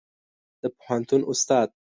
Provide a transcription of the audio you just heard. د پوهنتون استاد